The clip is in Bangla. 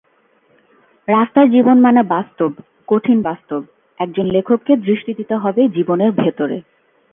রাস্তার জীবন মানে বাস্তব, কঠিন বাস্তব—একজন লেখককে দৃষ্টি দিতে হবে জীবনের ভেতরে।